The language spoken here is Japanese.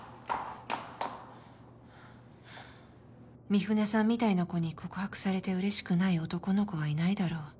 三船さんみたいな子に告白されてうれしくない男の子はいないだろう。